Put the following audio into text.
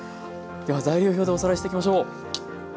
では材料表でおさらいしていきましょう。